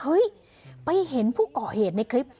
เฮ้ยไปเห็นผู้ก่อเหตุในคลิป